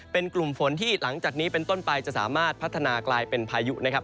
เป็นกลุ่มฝนที่หลังจากนี้เป็นต้นไปจะสามารถพัฒนากลายเป็นพายุนะครับ